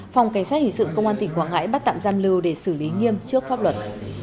phòng cảnh sát hình sự công an tỉnh quảng ngãi bắt tạm giam lưu để xử lý nghiêm trước pháp luật